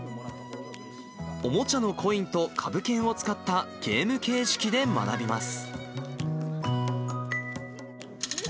おもちゃのコインと株券を使ったゲーム形式で学びます。